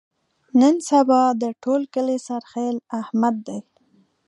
نن سبا د ټول کلي سرخیل احمد دی.